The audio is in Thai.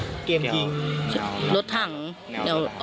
เขาก็ตัดมาถามเรื่องการบ้านผมก็ตอบไปส่งไปให้